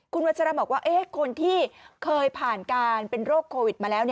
คุณวัชราบอกว่าคนที่เคยผ่านการเป็นโรคโควิดมาแล้ว